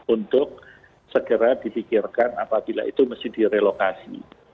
untuk segera dipikirkan apabila itu mesti direlokasi